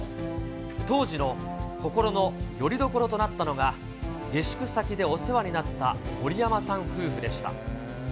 当時の心のよりどころとなったのが、下宿先でお世話になった森山さん夫婦でした。